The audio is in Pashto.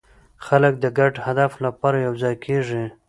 خلک د ګډ هدف لپاره یوځای کېږي.